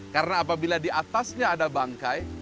karena apabila di atasnya ada bangkai